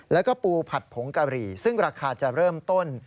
แล้วก็ปูผัดผงกะหรี่ซึ่งราคาจะเริ่มต้น